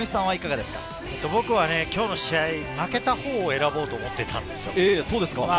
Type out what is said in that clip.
僕は今日の試合、負けたほうを選ぼうと思ってたんですよ。